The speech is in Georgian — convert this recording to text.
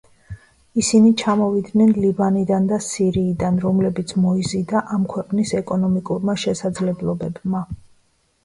ისინი ჩამოვიდნენ ლიბანიდან და სირიიდან, რომლებიც მოიზიდა ამ ქვეყნის ეკონომიკურმა შესაძლებლობებმა.